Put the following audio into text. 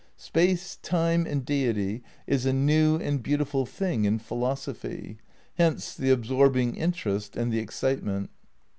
Space, Time and Deity is a new and beautiful thing in philosophy ; hence the absorbing interest and the excitement.